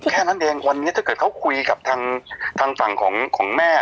แค่นั้นเองวันนี้ถ้าเกิดเขาคุยกับทางฝั่งของแม่